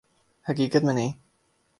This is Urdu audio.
حقیقت میں نہیں